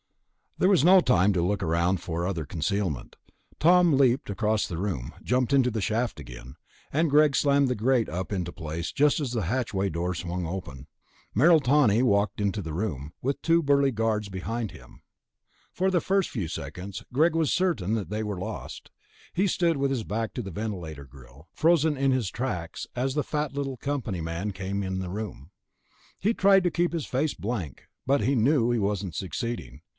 There was no time to look for other concealment. Tom leaped across the room, jumped up into the shaft again, and Greg slammed the grate up into place just as the hatchway door swung open. Merrill Tawney walked into the room, with two burly guards behind him. For the first few seconds, Greg was certain that they were lost. He stood with his back to the ventilator grill, frozen in his tracks as the fat little company man came in the room. He tried to keep his face blank, but he knew he wasn't succeeding.